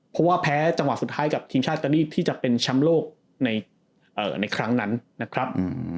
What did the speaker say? เพราะว่าแพ้จังหวะสุดท้ายกับทีมชาติอิตาลีที่จะเป็นแชมป์โลกในครั้งนั้นนะครับ